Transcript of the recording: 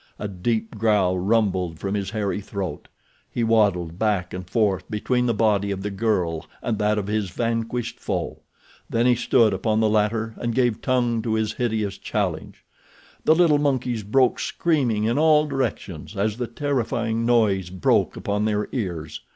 A deep growl rumbled from his hairy throat. He waddled back and forth between the body of the girl and that of his vanquished foe. Then he stood upon the latter and gave tongue to his hideous challenge. The little monkeys broke, screaming, in all directions as the terrifying noise broke upon their ears.